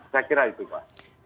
saya kira itu pak